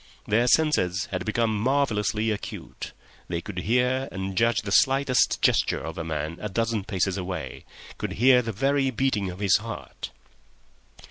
Their senses had become marvellously acute; they could hear and judge the slightest gesture of a man a dozen paces away—could hear the very beating of his heart.